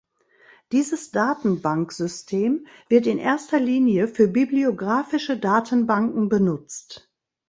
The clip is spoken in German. Dieses Datenbanksystem wird in erster Linie für bibliografische Datenbanken benutzt.